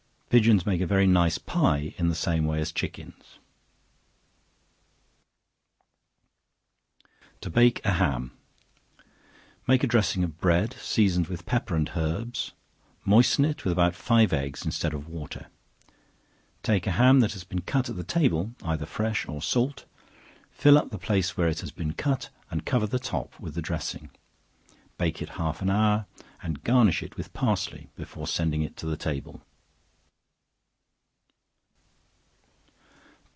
Pigeons make a very nice pie in the same way as chickens. To Bake a Ham. Make a dressing of bread, seasoned with pepper and herbs, moisten it with about five eggs, instead of water. Take a ham that has been cut at the table, either fresh or salt, fill up the place where it has been cut, and cover the top with the dressing, bake it half an hour, and garnish it with parsley before sending it to the table.